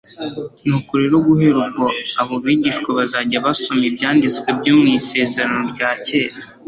Nuko rero guhera ubwo, abo bigishwa bazajya basoma ibyanditswe byo mu Isezerano rya Kera